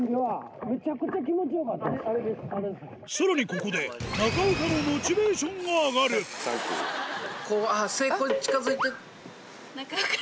さらにここで中岡のモチベーションが上がる成功に近づいて。